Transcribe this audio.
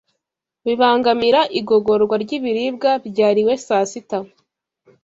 bibangamira igogorwa ry’ibiribwa byariwe saa sita.